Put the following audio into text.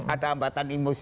ada hambatan emosi